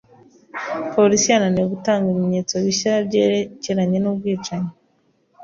Polisi yananiwe gutanga ibimenyetso bishya byerekeranye n'ubwicanyi.